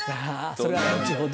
それは後ほど。